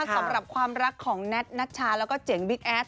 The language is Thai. สำหรับความรักของแท็ตนัชชาแล้วก็เจ๋งบิ๊กแอด